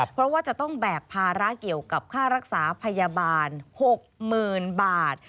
เพราะว่าจะต้องแบกภาระเกี่ยวกับค่ารักษาพยาบาล๖๐๐๐บาท